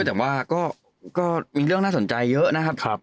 แต่ว่าก็มีเรื่องน่าสนใจเยอะนะครับ